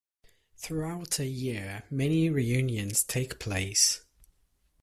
Throughout the year, many reunions take place.